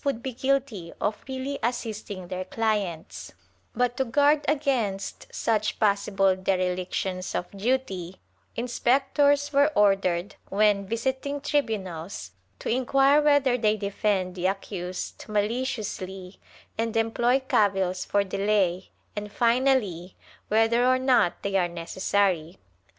It would seem scarce likely, under such regulations, that advocates would be guilty of really assisting their clients, but to guard against such possible derelictions of duty, inspectors were ordered, when visiting tribunals, to inquire whether they defend the accused "maliciously" and employ cavils for delay and finally, whether or not they are necessary.